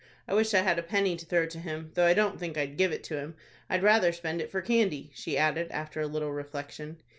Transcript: I wish I had a penny to throw to him, though I don't think I'd give it to him. I'd rather spend it for candy," she added, after a little reflection.